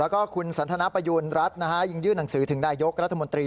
แล้วก็คุณสันทนประยูณรัฐยังยื่นหนังสือถึงนายกรัฐมนตรี